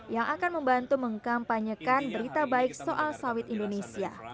yang akan membantu mengkampanyekan berita baik soal sawit indonesia